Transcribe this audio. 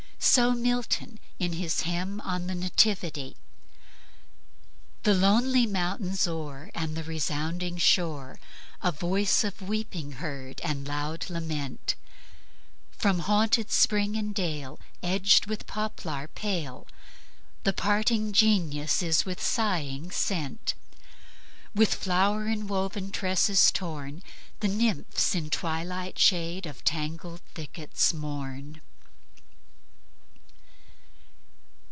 So Milton in his "Hymn on the Nativity": "The lonely mountains o'er, And the resounding shore, A voice of weeping heard and loud lament; From haunted spring and dale, Edged with poplar pale, The parting Genius is with sighing sent; With flower enwoven tresses torn, The nymphs in twilight shade of tangled thickets mourn."